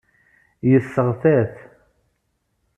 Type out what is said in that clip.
Yesseɣta-t.